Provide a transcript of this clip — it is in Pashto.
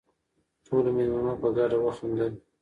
ټولو مېلمنو په ګډه وخندل.